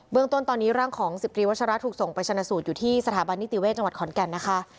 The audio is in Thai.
เรื่องต้นตอนนี้ร่างของ๑๐ตรีวัชระถูกส่งไปชนะสูตรอยู่ที่สถาบันนิติเวศจังหวัดขอนแก่นนะคะ